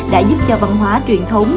đã giúp cho văn hóa truyền thống